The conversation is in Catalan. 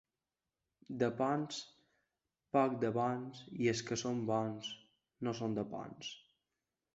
De Ponts, pocs de bons, i els que són bons, no són de Ponts.